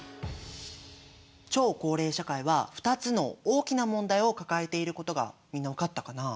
超高齢社会は２つの大きな問題を抱えていることがみんな分かったかな？